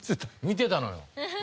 見てたのよ。